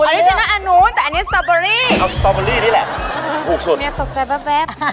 อริจินัลอ่านุแต่อันนี้สตาเบอร์รี่เอาสตาเบอร์รี่นี่แหละถูกสุดเนี่ยตกใจแป๊บ